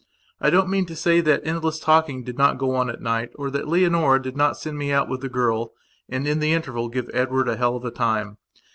I don't mean to say that the endless talking did not go on at night or that Leonora did not send me out with the girl and, in the interval, give Edward a hell of a time.